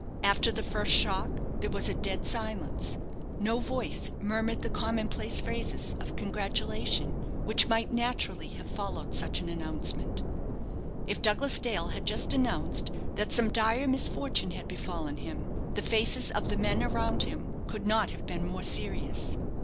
After the first shock there was a dead silence; no voice murmured the common place phrases of congratulation which might naturally have followed such an announcement. If Douglas Dale had just announced that some dire misfortune had befallen him, the faces of the men around him could not have been more serious.